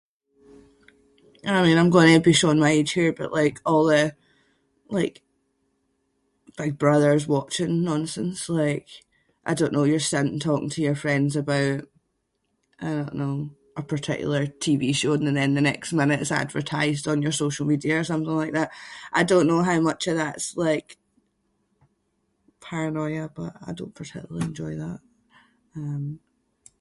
I mean I'm going to be showing my age here but like all the, like, Big Brother’s watching nonsense, like, I don’t know, you’re sitting talking to your friends about, I don’t know, a particular TV show and then the next minute it’s advertised on your social media or something like that. I don’t know how much of that’s like paranoia but I don’t particularly enjoy that, um-